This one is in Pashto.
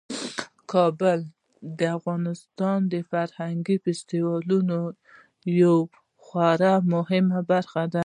کابل د افغانستان د فرهنګي فستیوالونو یوه خورا مهمه برخه ده.